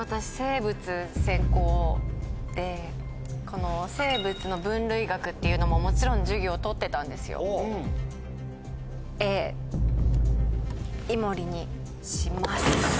この生物の分類学っていうのももちろん授業取ってたんですよ。にします。